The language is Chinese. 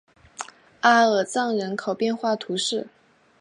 阿尔藏人口变化图示